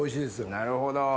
なるほど。